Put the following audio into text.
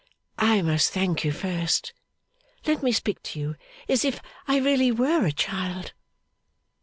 'I must thank you first; let me speak to you as if I really were a child.